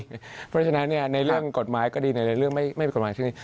เพราะฉะนั้นเนี่ยในเรื่องกฎหมายก็ดีในเรื่องไม่มีกฎหมายก็ดี